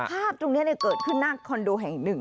ภาพตรงนี้เกิดขึ้นหน้าคอนโดแห่งหนึ่ง